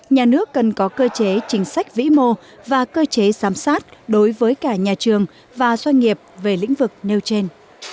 nhà nước cần có cơ chế chính sách vĩ mô và cơ chế giám sát đối với cả nhà trường và doanh nghiệp về lĩnh vực nêu trên